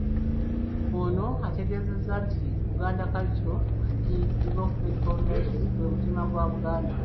Ono ategeezezza nti Buganda Cultural And Development Foundation. gwe mutima gwa Buganda.